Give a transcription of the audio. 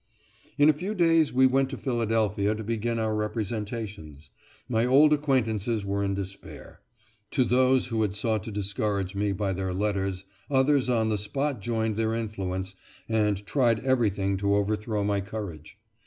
In a few days we went to Philadelphia to begin our representations. My old acquaintances were in despair. To those who had sought to discourage me by their letters others on the spot joined their influence, and tried everything to overthrow my courage.